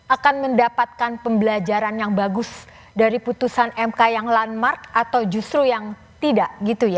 akan mendapatkan pembelajaran yang bagus dari putusan mk yang landmark atau justru yang tidak